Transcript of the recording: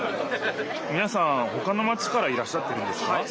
みなさんほかのマチからいらっしゃってるんですか？